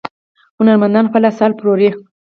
هنرمندان خپل اثار پلوري.